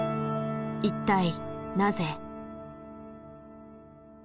一体なぜ？